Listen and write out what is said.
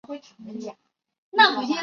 该说法现在还在许多欧洲语言中使用。